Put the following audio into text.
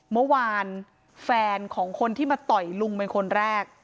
เมื่อวานแฟนของคนที่มาต่อยลุงเป็นคนแรก